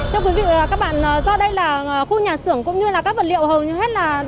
thưa quý vị và các bạn do đây là khu nhà xưởng cũng như là các vật liệu hầu như hết là